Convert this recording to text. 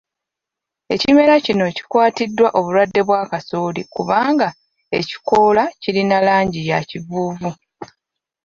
Ekimera kino kikwatiddwa obulwadde bwa kasooli kubanga ekikoola kirina langi ya kivuuvu